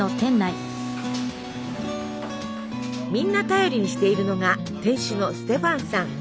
みんな頼りにしているのが店主のステファンさん。